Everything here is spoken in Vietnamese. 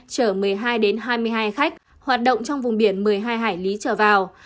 chở một mươi hai hai mươi hai khách hoạt động trong vùng biển một mươi hai hải lý trở vào